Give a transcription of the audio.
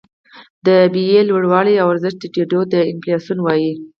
د بیې لوړوالي او ارزښت ټیټېدو ته انفلاسیون وايي